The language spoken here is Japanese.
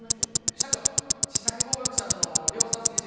社長試作合格したあとの量産スケジュール